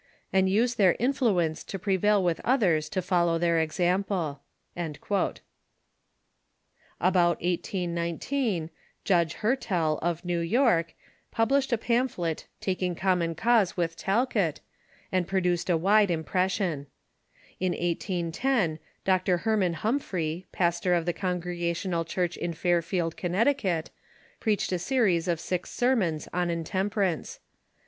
. and use their influence to prevail with others to follow their example."* About 1819 Judge Hertell, of New York, published a pam phlet taking common cause with Talcott, and produced a wide impression. In 1810, Dr. Heman Humphrey, pastor of the Con gregational Church in Fairfield, Connecticut, preached a se ries of six sermons on intemperance.